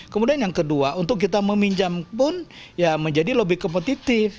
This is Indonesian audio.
kemudian yang kedua untuk kita meminjam pun ya menjadi lebih kompetitif